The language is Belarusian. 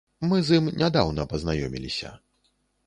Мы з ім нядаўна пазнаёміліся.